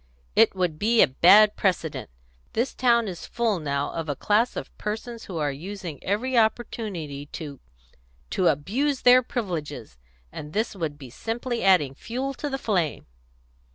"It would be a bad precedent. This town is full now of a class of persons who are using every opportunity to to abuse their privileges. And this would be simply adding fuel to the flame."